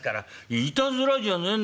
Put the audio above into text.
「いたずらじゃねんだよ。